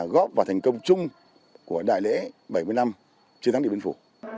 góp vào thành công chung của đại lễ bảy mươi năm chiến thắng điện biên phủ